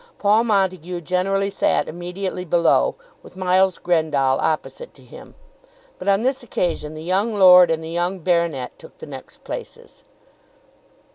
Paul Montague generally sat immediately below, with Miles Grendall opposite to him; but on this occasion the young lord and the young baronet took the next places.